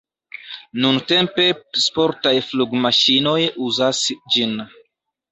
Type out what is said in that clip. Nuntempe sportaj flugmaŝinoj uzas ĝin.